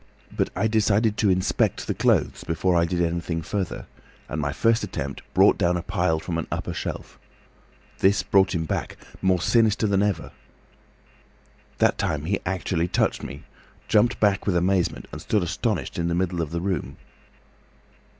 But I decided to inspect the clothes before I did anything further, and my first attempt brought down a pile from an upper shelf. This brought him back, more sinister than ever. That time he actually touched me, jumped back with amazement and stood astonished in the middle of the room.